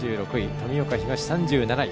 富岡東、３７位。